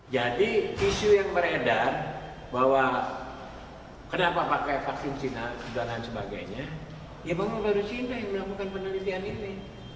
jadi isu yang beredar bahwa kenapa pakai vaksin sina dan sebagainya ya memang baru sina yang melakukan penelitian ini